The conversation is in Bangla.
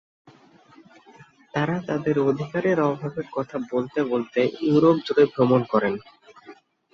তারা তাদের অধিকারের অভাবের কথা বলতে বলতে ইউরোপ জুড়ে ভ্রমণ করেন।